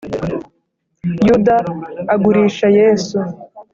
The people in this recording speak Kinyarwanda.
Yuda agurisha Yesu